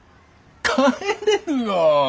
帰れるよ。